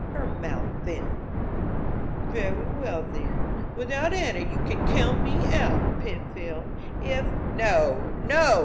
Her mouth thinned. "Very well, then. Without Hanna you can count me out, Penfield. If " "No, no!